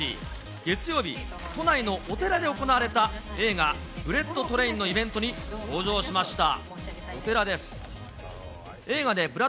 月曜日、都内のお寺で行われた、映画、ブレット・トレインのイベントに登場しました。